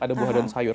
ada buah dan sayur